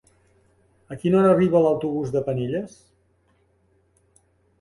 A quina hora arriba l'autobús de Penelles?